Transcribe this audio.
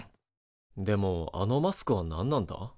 でもあのマスクは何なんだ？